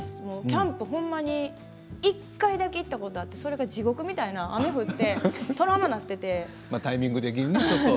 キャンプはほんまに１回だけ行ったことがあってそれが地獄みたいな雨が降ってトラウマみたいな。